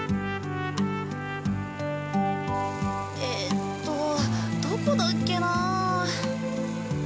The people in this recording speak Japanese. えっとどこだっけなあ。